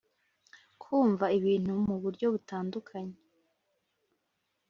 kumva ibintu muburyo butandukanye